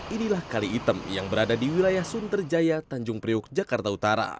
inilah kali item yang berada di wilayah sunterjaya tanjung priuk jakarta utara